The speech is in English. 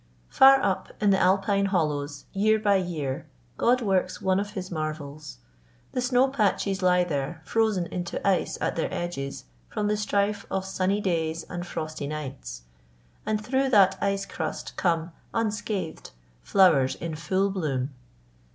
"Far up in the Alpine hollows, year by year, God works one of His marvels. The snow patches lie there, frozen into ice at their edges from the strife of sunny days and frosty nights; and through that ice crust come, unscathed, flowers in full bloom.